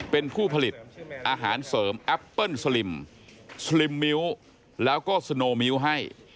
เป็นผู้ผลิตอาหารเสริมแอปเปิ้ลสลิมสลิมมิ้วแล้วก็สโนมิ้วให้